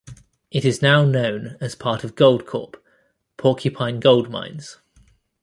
It is now known as part of GoldCorp - Porcupine Gold Mines.